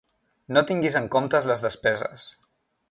No tinguis en comptes les despeses.